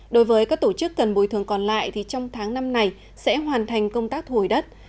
đối với các tổ chức cần bồi thường còn lại thì trong tháng năm này sẽ hoàn thành công tác thu hồi đất